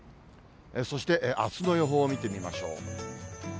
そしてあすの予報を見てみましょう。